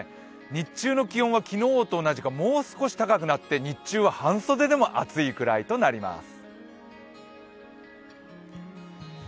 日中の気温は昨日と同じかもう少し高くなって、日中は半袖でも暑いくらいとなります。